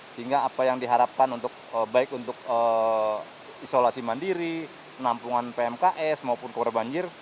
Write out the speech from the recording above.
sehingga apa yang diharapkan untuk baik untuk isolasi mandiri penampungan pmks maupun kepada banjir